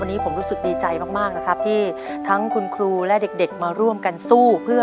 วันนี้ผมรู้สึกดีใจมากนะครับที่ทั้งคุณครูและเด็กมาร่วมกันสู้เพื่อ